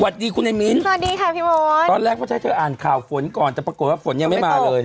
สวัสดีคุณไอ้มิ้นสวัสดีค่ะพี่โอ๊ยตอนแรกเขาจะให้เธออ่านข่าวฝนก่อนแต่ปรากฏว่าฝนยังไม่มาเลย